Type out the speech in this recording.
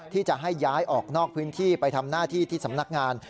ที่จะให้ย้ายออกนอกพื้นที่ไปทำหน้าที่ที่สำนักงาน